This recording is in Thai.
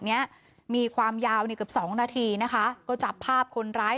เนี้ยมีความยาวเนี่ยเกือบสองนาทีนะคะก็จับภาพคนร้าย